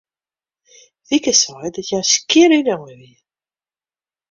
Wieke sei dat hja skjin ynein wie.